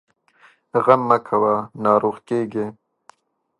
غم مه کوه ، ناروغ کېږې!